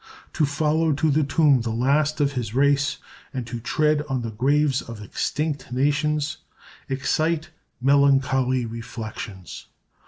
To follow to the tomb the last of his race and to tread on the graves of extinct nations excite melancholy reflections.